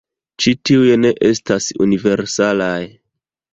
Ĉi tiuj ne estas universalaj.